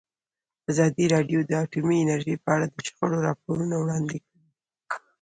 ازادي راډیو د اټومي انرژي په اړه د شخړو راپورونه وړاندې کړي.